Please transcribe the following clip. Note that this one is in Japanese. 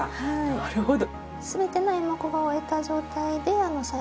なるほど。